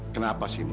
kenapa sih ma